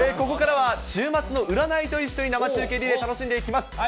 ここからは週末の占いと一緒に、生中継で楽しんでいきます。